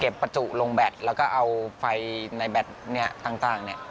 เก็บประจุลงแบตแล้วก็เอาไฟในแบตต่าง